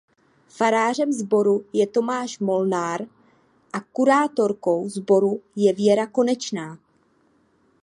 Farářem sboru je Tomáš Molnár a kurátorkou sboru je Věra Konečná.